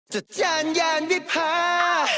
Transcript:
จจันยารวิภา